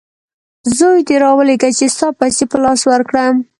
زوی دي راولېږه چې ستا پیسې په لاس ورکړم!